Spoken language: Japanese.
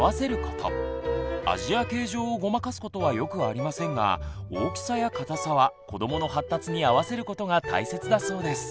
味や形状をごまかすことはよくありませんが大きさや固さは子どもの発達に合わせることが大切だそうです。